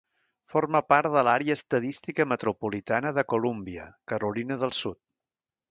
Forma part de l'Àrea Estadística Metropolitana de Columbia, Carolina de Sud.